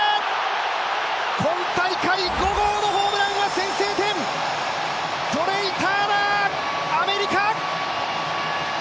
今大会５号のホームランは先制点、トレイ・ターナー、アメリカ！